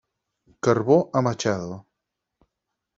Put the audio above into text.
Carbó a Machado.